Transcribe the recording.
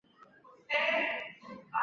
它用于有机合成中巯基的引入。